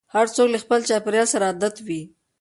هر څوک له خپل چاپېريال سره عادت وي.